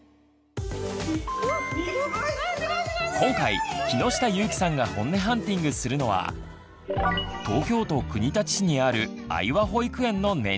今回木下ゆーきさんがホンネハンティングするのは東京都国立市にある「あいわ保育園」の年長さん。